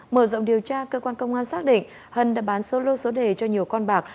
mở rộng điều tra cơ quan công an xác định hân đã bán số lô số đề cho nhiều con bạc